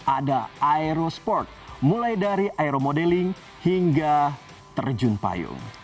ada aerosport mulai dari aeromodeling hingga terjun payung